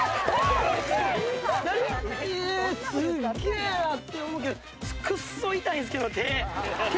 すっげえなって思うけど、くっそ痛いんですけど、手。